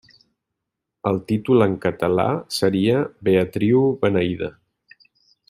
El títol en català seria 'Beatriu Beneïda'.